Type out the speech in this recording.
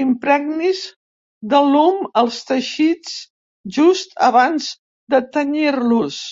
Impregnis d'alum els teixits just abans de tenyir-los.